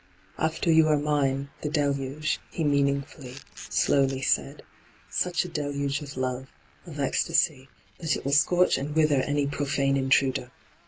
' After you are mine, the deluge,' he mean ingly, slowly said —' such a deluge of love, of ecstasy, that it will scorch and wither any profane intruder